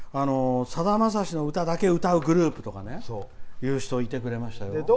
さだまさしの歌だけを歌うグループとかいてくれましたよ。